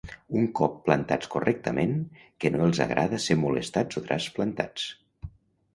Un cop plantats correctament, que no els agrada ser molestats o trasplantats.